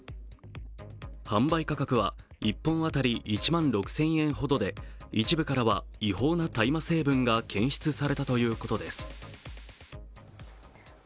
販売価格は１本当たり１万６０００円ほどで一部からは違法な大麻成分が検出されたということです。